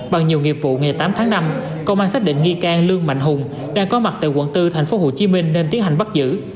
bằng nhiều nghiệp vụ ngày tám tháng năm công an xác định nghi can lương mạnh hùng đang có mặt tại quận bốn thành phố hồ chí minh nên tiến hành bắt giữ